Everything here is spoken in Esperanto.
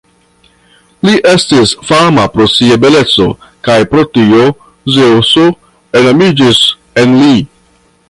Li estis fama pro sia beleco, kaj pro tio Zeŭso enamiĝis en lin.